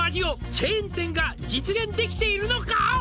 「チェーン店が実現できているのか」